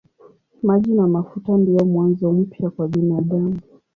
Maji na mafuta ndiyo mwanzo mpya kwa binadamu.